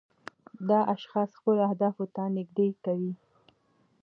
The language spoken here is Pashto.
دا اشخاص خپلو اهدافو ته نږدې کوي.